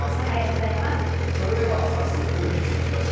それでは早速見ていきましょう。